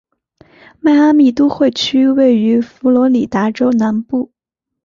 迈阿密都会区位于佛罗里达州南部。